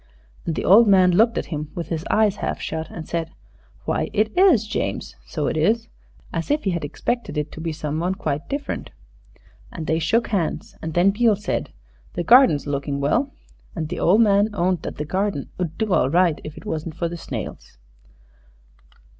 And the old man looked at him with his eyes half shut and said, "Why, it is James so it is," as if he had expected it to be some one quite different. And they shook hands, and then Beale said, "The garden's looking well." And the old man owned that the garden 'ud do all right if it wasn't for the snails.